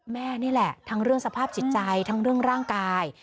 แม่นี่แหละทั้งเรื่องสภาพจิตใจทั้งเรื่องร่างกาย